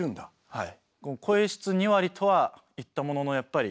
はい。